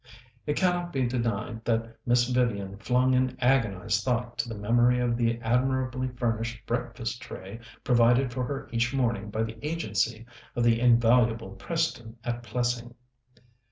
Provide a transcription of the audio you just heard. It cannot be denied that Miss Vivian flung an agonized thought to the memory of the admirably furnished breakfast tray provided for her each morning by the agency of the invaluable Preston at Plessing.